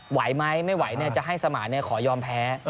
ไหวไหมไม่ไหวจะให้สมานขอยอมแพ้